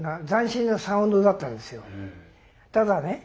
ただね